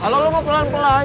kalau lo mau pelan pelan